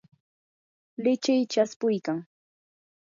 lichiy chaspuykan.